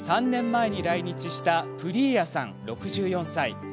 ３年前に来日したプリーアさん、６４歳。